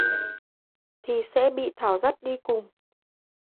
Thì sẽ bị Thảo dắt đi cùng